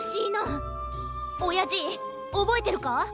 おやじおぼえてるか？